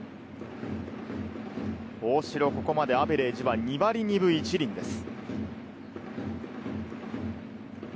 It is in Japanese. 大城、ここまでアベレージは２割２分１厘です。